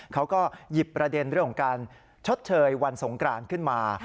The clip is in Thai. เขาก็หยิบประเด็นเรื่องของการชดเชยวันสงกรานขึ้นมา